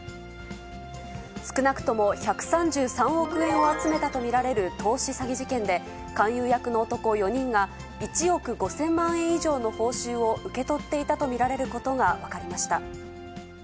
少なくとも１３３億円を集めたと見られる投資詐欺事件で、勧誘役の男４人が、１億５０００万円以上の報酬を受け取っていたと見られることが分かりました。